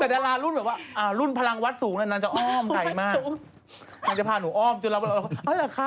น่าจะพาหนูอ้อมจนเรารู้ว่าเอาละคะ